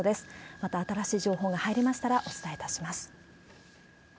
また新しい情報が入りましたらお伝えいたします。